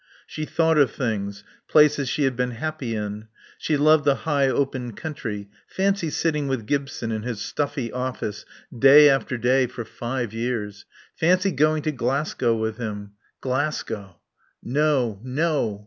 She thought of things. Places she had been happy in. She loved the high open country. Fancy sitting with Gibson in his stuffy office, day after day, for five years. Fancy going to Glasgow with him. Glasgow No. No.